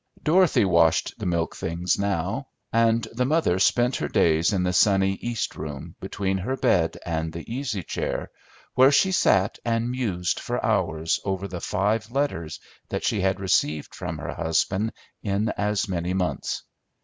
Dorothy washed the milk things now, and the mother spent her days in the sunny east room, between her bed and the easy chair, where she sat and mused for hours over the five letters that she had received from her husband in as many months.